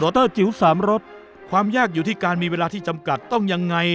เตอร์จิ๋วสามรสความยากอยู่ที่การมีเวลาที่จำกัดต้องยังไง